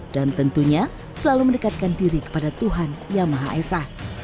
dan tentunya selalu mendekatkan diri kepada tuhan yang maha esa